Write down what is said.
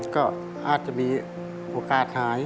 ก็อาจจะมีโอกาสหาย